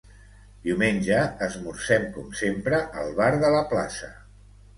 Diumenge esmorzem com sempre al bar de la plaça.